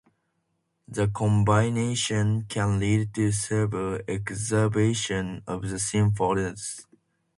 The combination can lead to severe exacerbation of the symptoms.